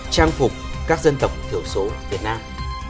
trang phục các dân tộc thiểu số việt nam